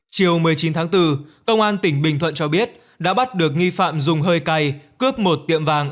chiều một mươi chín tháng bốn công an tỉnh bình thuận cho biết đã bắt được nghi phạm dùng hơi cay cướp một tiệm vàng